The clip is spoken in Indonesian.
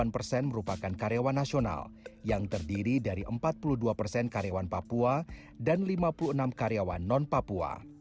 delapan persen merupakan karyawan nasional yang terdiri dari empat puluh dua persen karyawan papua dan lima puluh enam karyawan non papua